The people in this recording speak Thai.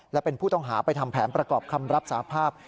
และเป็นผู้ต้องหาไปทำแผนประกอบคำรับสาภาพ